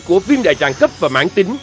của viêm đại tràng cấp và mãn tính